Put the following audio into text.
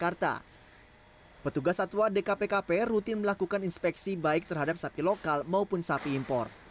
kartu satwa dkpkp rutin melakukan inspeksi baik terhadap sapi lokal maupun sapi impor